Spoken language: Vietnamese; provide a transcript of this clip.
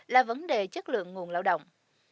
là vấn đề chất lượng nguồn lao động